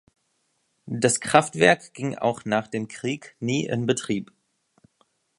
Das Kraftwerk ging auch nach dem Krieg nie in Betrieb.